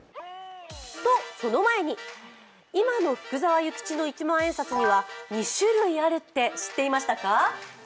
と、その前に、今の福沢諭吉の一万円札には２種類あるって、知っていましたか？